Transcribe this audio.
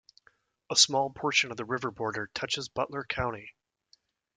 A small portion of the river border touches Butler County.